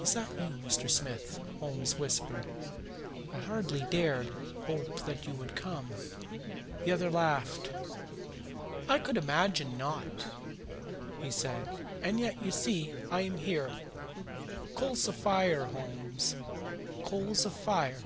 "Is that you, Mr. Smith?" Holmes whispered. "I hardly dared hope that you would come." The other laughed. "I should imagine not," he said. "And yet, you see, I am here. Coals of fire, Holmes coals of fire!"